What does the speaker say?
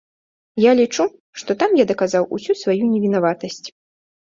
Я лічу, што там я даказаў усю сваю невінаватасць.